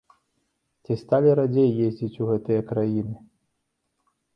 Ці сталі радзей ездзіць у гэтыя краіны?